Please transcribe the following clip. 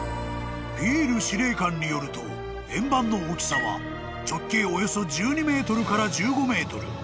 ［ピエール司令官によると円盤の大きさは直径およそ１２ｍから１５ｍ］